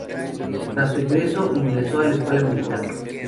Tras su egreso, ingresó a la Escuela Militar.